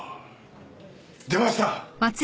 出ました！